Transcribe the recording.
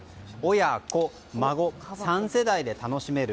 親子、孫、３世代で楽しめる。